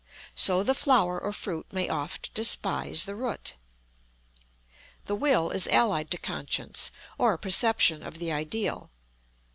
So the flower or fruit may oft despise the root. The Will is allied to Conscience or a perception of the Ideal.